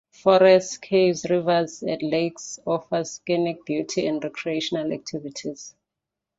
Forests, caves, rivers, and lakes offer scenic beauty and recreational activities.